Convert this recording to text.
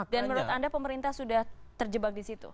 dan menurut anda pemerintah sudah terjebak di situ